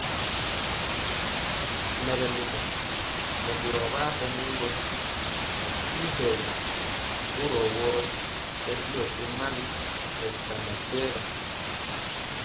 Nɛ bɛ lɛmbɔ nɛ boro bar bɛnɛ gkɔ y mpegi boro woro bɛndiɔ tomali nɛ bikanda biwa.